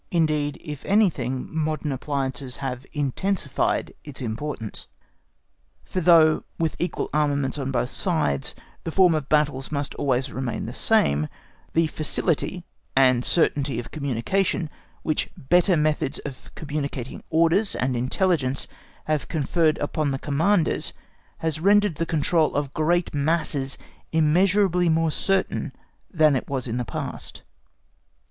Indeed, if anything, modern appliances have intensified its importance, for though, with equal armaments on both sides, the form of battles must always remain the same, the facility and certainty of combination which better methods of communicating orders and intelligence have conferred upon the Commanders has rendered the control of great masses immeasurably more certain than it was in the past.